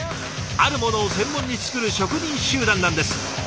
あるものを専門に作る職人集団なんです。